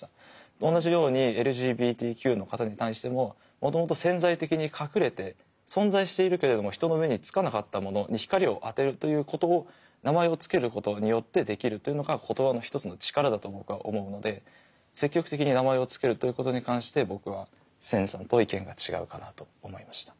同じようにＬＧＢＴＱの方に対してももともと潜在的に隠れて存在しているけれども人の目に付かなかったものに光を当てるということを名前を付けることによってできるというのが言葉の一つの力だと僕は思うので積極的に名前を付けるということに関して僕はセンさんと意見が違うかなと思いました。